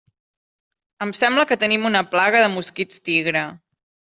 Em sembla que tenim una plaga de mosquits tigre.